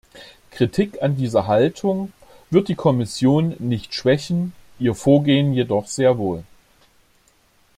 Kritik an dieser Haltung wird die Kommission nicht schwächen, Ihr Vorgehen jedoch sehr wohl.